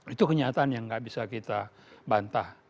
itu kenyataan yang nggak bisa kita bantah